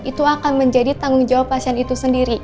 itu akan menjadi tanggung jawab pasien itu sendiri